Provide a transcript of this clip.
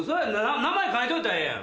名前書いといたらええやん。